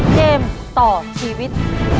เกมต่อชีวิต